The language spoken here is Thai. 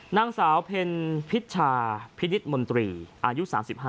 นางสาวเพ็ญพิชชาพินิษฐ์มนตรีอายุ๓๕